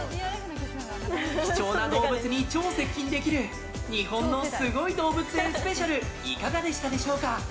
貴重な動物に超接近できる日本のすごい動物園スペシャルいかがでしたでしょうか？